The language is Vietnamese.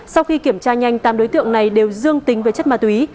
sau khi kiểm tra nhanh tám đối tượng này đều dương tính với chất ma túy